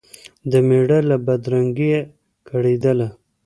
د مېړه له بدرنګیه کړېدله